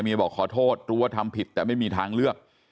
บอกขอโทษรู้ว่าทำผิดแต่ไม่มีทางเลือก